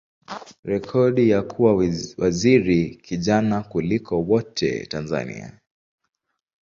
rekodi ya kuwa waziri kijana kuliko wote Tanzania.